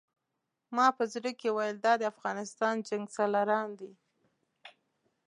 ما په زړه کې ویل دا د افغانستان جنګسالاران دي.